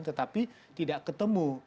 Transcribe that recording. tetapi tidak ketemu